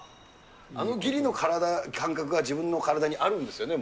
あのぎりの感覚が自分の体にあるんですよね、